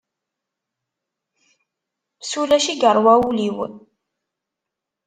S ulac i yeṛwa wul-iw.